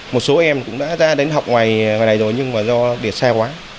một số em cũng đã ra đến học ngoài này rồi nhưng mà do để xe quá